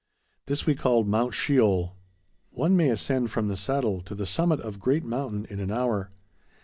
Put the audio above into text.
This we called Mount Sheol. One may ascend from the Saddle to the summit of Great Mountain in an hour.